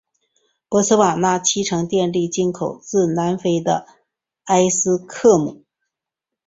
博茨瓦纳七成电力进口自南非的埃斯科姆。